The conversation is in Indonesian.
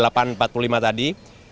sampai saat ini